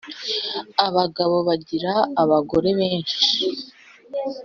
Abagabo bagira abagore benshi